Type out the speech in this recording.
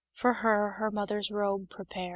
For her, her mother's robe prepare."